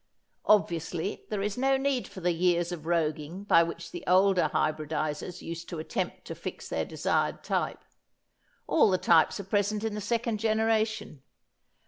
Obviously there is no need for the years of roguing by which the older hybridisers used to attempt to fix their desired type. All the types are present in the second generation.